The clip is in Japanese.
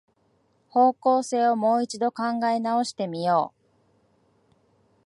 方向性をもう一度考え直してみよう